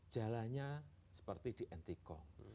jalannya seperti di antikong